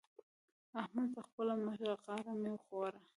احمده! له خپل مشره غاړه مه غړوه.